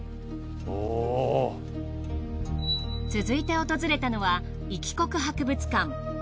続いて訪れたのは一支国博物館。